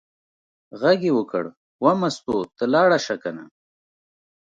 غږ یې وکړ: وه مستو ته لاړه شه کنه.